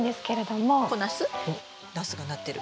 おっナスがなってる。